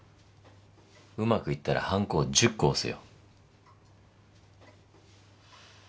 うまくいったらはんこを１０個おすよ。